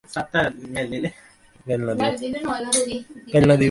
তিনি শিক্ষকতা থেকে অবসর নেন, কিন্তু তার গবেষণা অব্যাহত রাখেন।